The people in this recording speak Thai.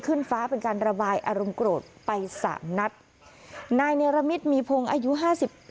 ขึ้นฟ้าเป็นการระบายอารมณ์โกรธไปสามนัดนายเนรมิตมีพงศ์อายุห้าสิบ